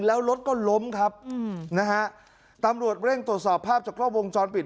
แล้วรถก็ล้มครับอืมนะฮะตำรวจเร่งตรวจสอบภาพจากกล้องวงจรปิด